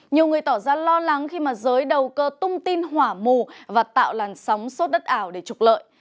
nhiều người tỏ ra lo lắng khi mà giới đầu cơ tung tin hỏa mù và tạo làn sóng sốt đất ảo để trục lợi